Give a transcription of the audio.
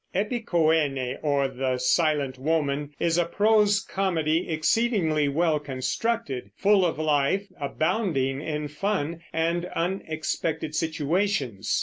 Epicoene, or the Silent Woman, is a prose comedy exceedingly well constructed, full of life, abounding in fun and unexpected situations.